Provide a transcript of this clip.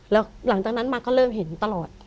แล้วหลังจากนั้นมาก็เริ่มเห็นตลอด